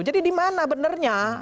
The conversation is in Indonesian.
jadi dimana benernya